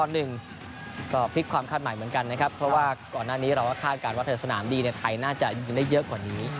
ก็พลิกความคาดหมายเหมือนกันนะครับเพราะว่าก่อนหน้านี้เราก็คาดการณ์ว่าถ้าสนามดีในไทยน่าจะยิงได้เยอะกว่านี้